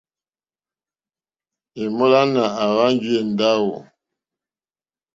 Èmólánà àhwánjì èndáwò.